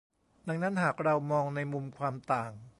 ดังนั้นหากเรามองในมุมความต่าง